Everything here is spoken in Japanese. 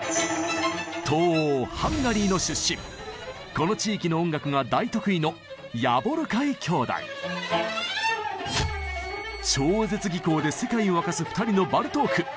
この地域の音楽が大得意ので世界を沸かす二人のバルトーク。